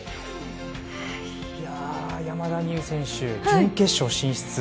山田美諭選手準決勝進出。